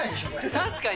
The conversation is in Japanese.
確かに。